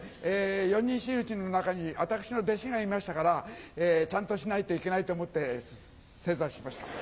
４人真打の中に私の弟子がいましたからちゃんとしないといけないと思って正座しました。